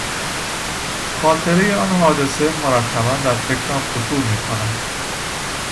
خاطرهی آن حادثه مرتبا در فکرم خطور میکند.